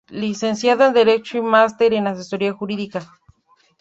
Licenciado en Derecho y Máster en Asesoría Jurídica.